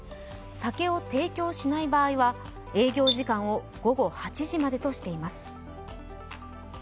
酒を提供しない場合は営業時間を午後８時までとしています。